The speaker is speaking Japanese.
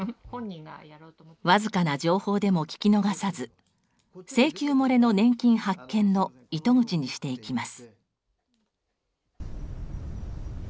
わずかな情報でも聞き逃さず請求もれの年金発見の糸口にしていきます。